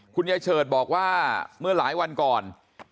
เฉิดบอกว่าเมื่อหลายวันก่อน